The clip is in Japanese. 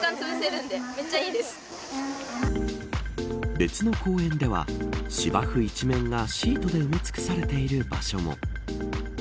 別の公園では芝生一面がシートで埋め尽くされている場所も。